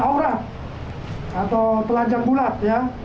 aura atau telanjang bulat ya